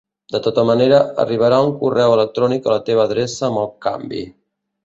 De tota manera, arribarà un correu electrònic a la teva adreça amb el canvi.